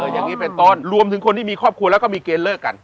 อย่างนี้เป็นต้นรวมถึงคนที่มีครอบครัวแล้วก็มีเกณฑ์เลิกกัน